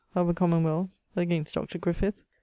Of a Commonwealth. Against Dr. Griffith.